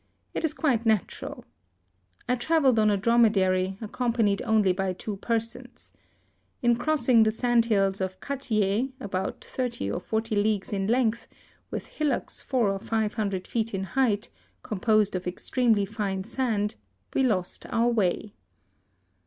It is quite nat ural. I travelled on a dromedary, accom panied only by two persons. In crossing the sandhills of Katieh, about thirty or forty leagues in length, with hillocks four or five THE SUEZ CANAL. 67 hundred feet in height, composed of ex tremely fine sand, we lost our way.